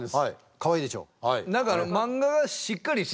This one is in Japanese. かわいいでしょう。